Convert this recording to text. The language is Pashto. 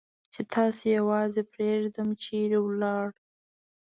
چې تاسې یوازې پرېږدم، چېرې ولاړ؟